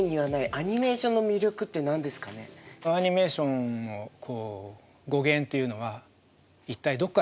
アニメーションの語源っていうのは一体どこから来てるかご存じですか？